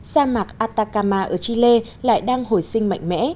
sa mạc atakama ở chile lại đang hồi sinh mạnh mẽ